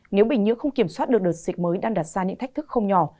nếu bệnh nhiễm không kiểm soát được đợt dịch mới đang đặt ra những thách thức không nhỏ